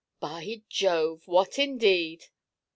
'By Jove! what indeed?'